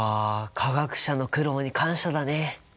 化学者の苦労に感謝だね。